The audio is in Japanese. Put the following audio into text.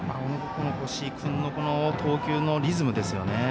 越井君の投球のリズムですよね。